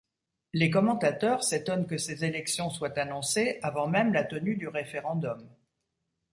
Les commentateurs s'étonnent que ces élections soient annoncées avant même la tenue du référendum.